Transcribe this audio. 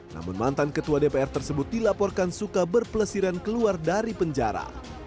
namun mantan ketua dpr tersebut dilaporkan suka berpelesiran keluar dari penjara